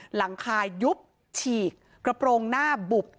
หลังคายุบฉีกกระโปรงหน้าบุบ